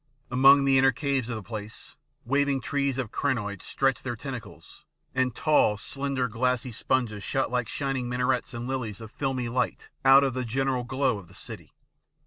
Among the inner caves of the place waving trees of crinoid stretched their tentacles, and tall, slender, glassy sponges shot like shining minarets IN THE ABYSS 89 and lilies of filmy light out of the general glow of the city.